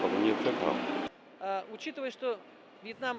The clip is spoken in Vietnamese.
cũng như các hợp đồng